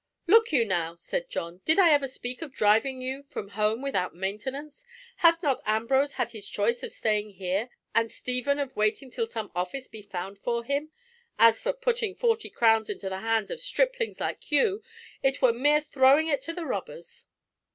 "Look you, now," said John, "did I ever speak of driving you from home without maintenance? Hath not Ambrose had his choice of staying here, and Stephen of waiting till some office be found for him? As for putting forty crowns into the hands of striplings like you, it were mere throwing it to the robbers."